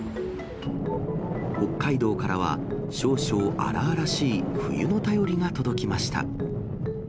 北海道からは、少々荒々しい冬の便りが届きました。